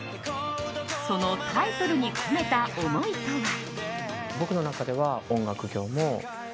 そのタイトルに込めた思いとは。